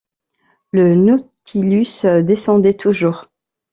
Le Nautilus descendait toujours.